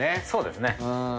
そうですね。